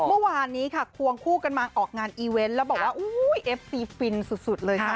เมื่อวานนี้ค่ะควงคู่กันมาออกงานอีเวนต์แล้วบอกว่าเอฟซีฟินสุดเลยค่ะ